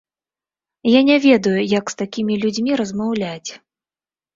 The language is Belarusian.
Я не ведаю, як з такімі людзьмі размаўляць.